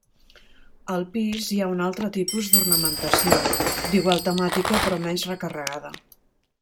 Al pis hi ha un altre tipus d'ornamentació, d'igual temàtica però menys recarregada.